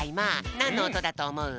なんのおとだとおもう？